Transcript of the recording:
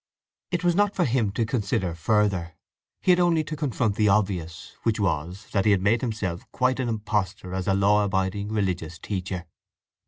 It was not for him to consider further: he had only to confront the obvious, which was that he had made himself quite an impostor as a law abiding religious teacher.